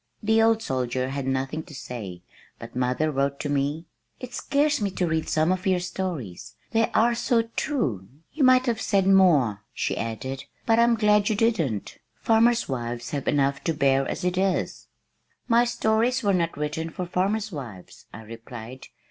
The old soldier had nothing to say but mother wrote to me, "It scares me to read some of your stories they are so true. You might have said more," she added, "but I'm glad you didn't. Farmers' wives have enough to bear as it is." "My stories were not written for farmers' wives," I replied.